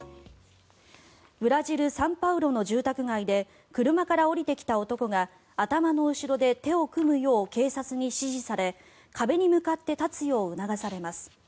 ブラジル・サンパウロの住宅街で車から降りてきた男が頭の後ろで手を組むよう警察に指示され壁に向かって立つよう促されます。